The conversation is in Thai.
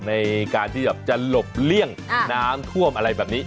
ในการที่แบบจะหลบเลี่ยงน้ำท่วมอะไรแบบนี้